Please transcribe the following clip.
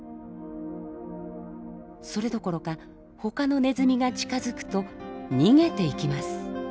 それどころかほかのネズミが近づくと逃げていきます。